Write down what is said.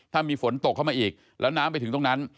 ถ้ามีฝนตกเข้ามาอีกแล้วน้ำไปถึงตรงนั้น